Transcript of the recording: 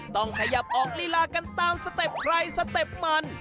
ต้องขยับออกลีลากันตามสเต็ปใครสเต็ปมัน